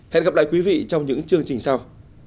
hẹn gặp lại quý vị trong những chương trình sau